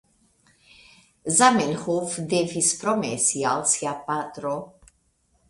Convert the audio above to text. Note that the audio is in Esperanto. Zamenhof devis promesi al sia patro.